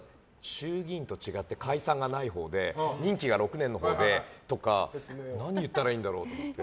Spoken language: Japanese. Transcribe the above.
衆議院と違って解散がないほうで任期が６年のほうでとか何を言ったらいいんだろうって。